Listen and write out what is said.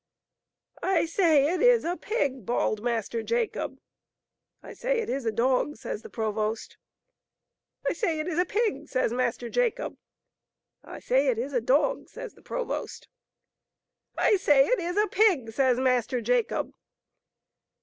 " I say it is a pig!" bawled Master Jacob. " I say it is a dog ! says the provost. " I say it is a pig ! says Master Jacob. " I say it is a dog ! says the provost. •* I say it is a pig ! says Master Jacob.